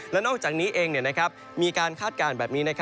และนอกจากนี้เองมีการคาดการณ์แบบนี้